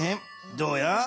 どうや？